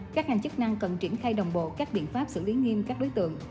các hành chức năng cần triển khai đồng bộ các biện pháp xử lý nghiêm các đối tượng